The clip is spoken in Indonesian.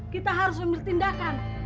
kita harus memilih tindakan